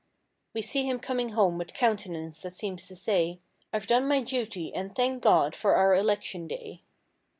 We see him coming home with countenance that seems to say— "IVe done my duty and thank God for our election day!"